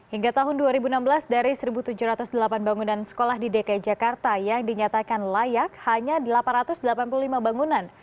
hingga tahun dua ribu enam belas dari satu tujuh ratus delapan bangunan sekolah di dki jakarta yang dinyatakan layak hanya delapan ratus delapan puluh lima bangunan